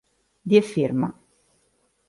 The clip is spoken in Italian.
Die Firma